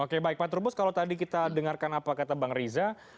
oke baik pak trubus kalau tadi kita dengarkan apa kata bang riza